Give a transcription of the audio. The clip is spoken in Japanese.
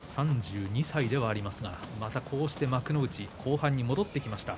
錦木も３２歳ではありますがまたこうして幕内後半に戻ってきました。